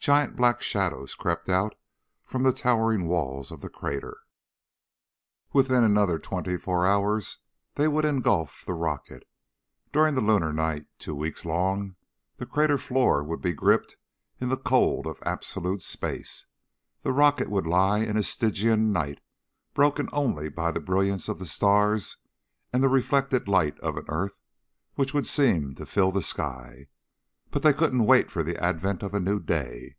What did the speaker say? Giant black shadows crept out from the towering walls of the crater. Within another twenty four hours they would engulf the rocket. During the lunar night two weeks long the crater floor would be gripped in the cold of absolute space; the rocket would lie in a stygian night broken only by the brilliance of the stars and the reflected light of an earth which would seem to fill the sky. But they couldn't wait for the advent of a new day.